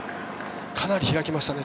かなり開きましたね。